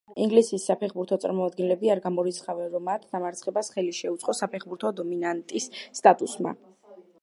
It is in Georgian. ინგლისის საფეხბურთო წარმომადგენლები არ გამორიცხავენ, რომ მათ დამარცხებას ხელი შეუწყო საფეხბურთო დომინანტის სტატუსმა.